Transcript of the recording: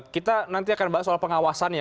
kita nanti akan bahas soal pengawasannya